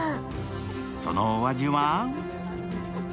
そのお味は？